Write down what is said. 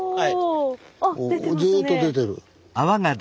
ずっと出てる。